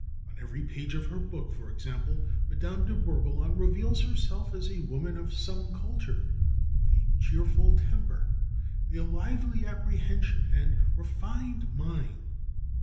On every page of her book, for example, Madame de Bourboulon reveals herself as a woman of some culture, of a cheerful temper, a lively apprehension, and refined mind.